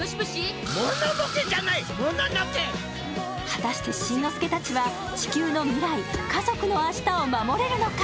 果たして、しんのすけたちは地球の未来、家族の明日を守れるのか？